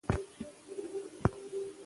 ځنګلونه د افغانستان د اجتماعي جوړښت برخه ده.